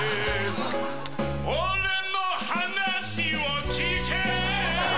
俺の話を聞け！